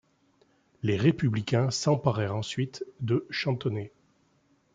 Les Républicains s'emparèrent ensuite de Chantonnay.